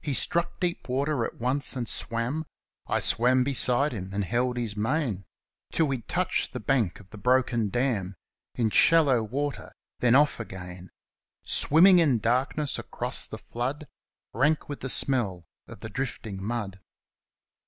He struck deep water at once and swam — I swam beside him and held his mane — Till we touched the bank of the broken dam In shallow water; then off again. Swimming in darkness across the flood, Rank with the smell of the drifting mud.